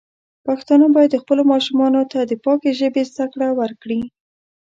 پښتانه بايد خپلو ماشومانو ته د پاکې ژبې زده کړه ورکړي.